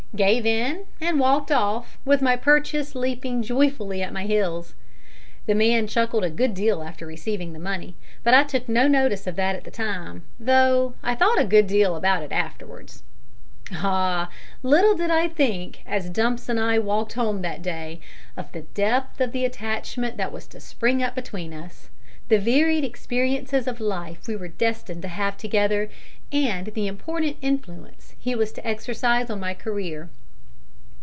Gave in, and walked off, with my purchase leaping joyfully at my heels. The man chuckled a good deal after receiving the money, but I took no notice of that at the time, though I thought a good deal about it afterwards. Ah! little did I think, as Dumps and I walked home that day, of the depth of the attachment that was to spring up between us, the varied experiences of life we were destined to have together, and the important influence he was to exercise on my career.